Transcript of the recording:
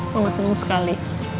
sangat seneng sekali